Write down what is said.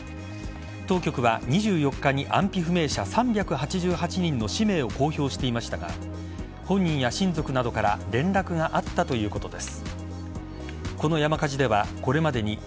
当局は２４日に安否不明者３８８人の氏名を公表していましたが本人や親族などから連絡があったということです。